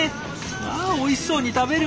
あおいしそうに食べる！